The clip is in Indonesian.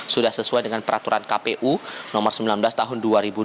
sudah sesuai dengan peraturan kpu nomor sembilan belas tahun dua ribu dua puluh